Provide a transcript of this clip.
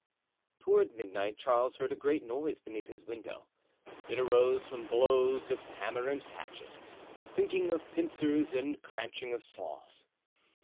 Toward midnight Charles heard a great noise beneath his window. It arose from blows of hammer and hatchet, clinking of pincers and cranching of saws.